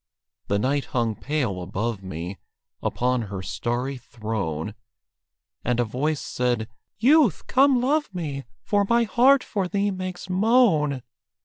The night hung pale above me Upon her starry throne, And a voice said, "Youth, come love me! For my heart for thee makes moan."